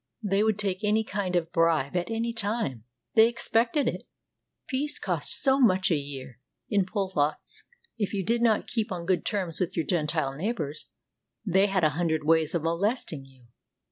They would take any kind of bribe, at any time. They expected it. Peace cost so much a year, in Polotzk. If you did not keep on good terms with your Gentile neigh bors, they had a hundred ways of molesting you.